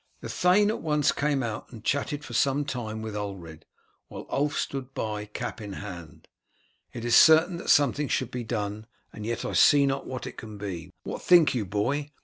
The thane at once came out and chatted for some time with Ulred, while Ulf stood by, cap in hand. "It is certain that something should be done, and yet I see not what it can be. What think you, boy?